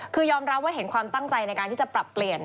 คือยอมรับว่าเห็นความตั้งใจในการที่จะปรับเปลี่ยน